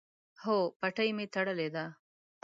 هو، پټۍ می تړلې ده